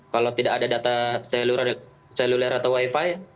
kalau tidak ada data seluler atau wifi